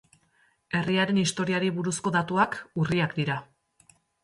Herriaren historiari buruzko datuak urriak dira.